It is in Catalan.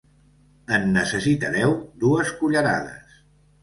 En necessitareu dues cullerades.